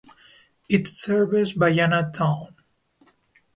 It serves Bayana town.